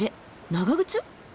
長靴？